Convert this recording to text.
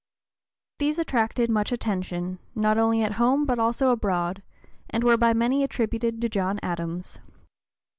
These attracted much attention, not only at home but also abroad, and were by many attributed to John Adams.